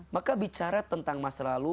maka bicara tentang masa lalu